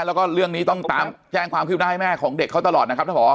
แล้วก็เรื่องนี้ต้องตามแจ้งความคืบหน้าให้แม่ของเด็กเขาตลอดนะครับท่านผอ